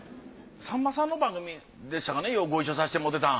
さんまさんの番組でしたかねようご一緒させてもうてたん。